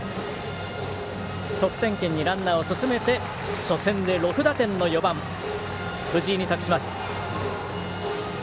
得点圏にランナーを進めて初戦で６打点の４番藤井に託します。